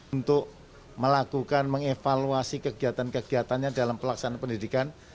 untuk melakukan mengevaluasi kegiatan kegiatannya dalam pelaksanaan pendidikan